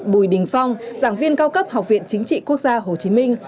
bùi đình phong giảng viên cao cấp học viện chính trị quốc gia hồ chí minh